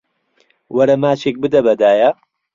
وەرە ماچێک بدە بە دایە.